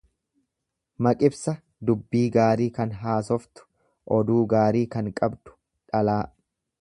Maqibsa dubbii gaarii kan haasoftu, oduu gaarii kan qabdu. dhalaa